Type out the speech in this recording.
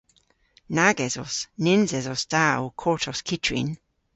Nag esos. Nyns esos ta ow kortos kyttrin.